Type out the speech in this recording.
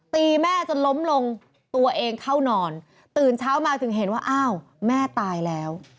แม่จนล้มลงตัวเองเข้านอนตื่นเช้ามาถึงเห็นว่าอ้าวแม่ตายแล้ว